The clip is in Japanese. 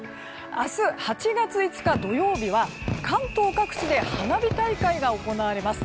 明日８月５日土曜日は関東各地で花火大会が行われます。